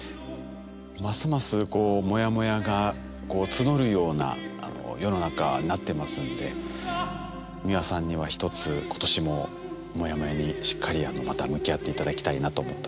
ますますモヤモヤが募るような世の中になってますんで美輪さんにはひとつ今年もモヤモヤにしっかりまた向き合って頂きたいなと思っておりますので。